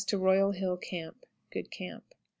Royal Hill Camp. Good camp.